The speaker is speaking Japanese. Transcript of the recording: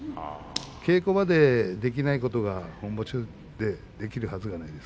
稽古場でできないことは本場所でできるわけがない。